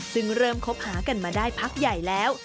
ซึ่งเริ่มคบหากันมาได้พักใหญ่แล้ว